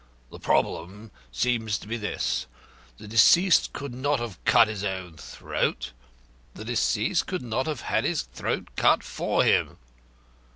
The problem seems to be this. The deceased could not have cut his own throat. The deceased could not have had his throat cut for him.